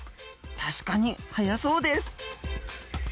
確かに速そうです。